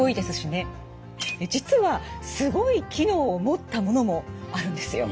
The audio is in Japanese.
実はすごい機能を持ったものもあるんですよ。